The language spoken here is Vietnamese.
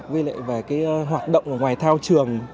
với lại về cái hoạt động ở ngoài thao trường